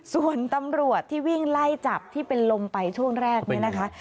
ส่วนตำรวจที่วิ่งไล่จับที่เป็นลมไปช่วงแรกเนี่ยนะคะ